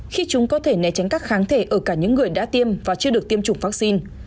khi chúng có thể né tránh các kháng thể ở cả những người đã tiêm và chưa được tiêm chủng vaccine